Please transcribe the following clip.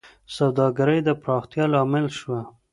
سوداګرۍ د پراختیا لامل شوه.